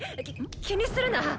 き気にするな！